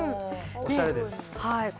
おしゃれです。